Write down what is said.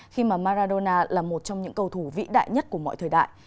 khi mà maradona là một trong những cầu thủ vĩ đại nhất của mọi thời đại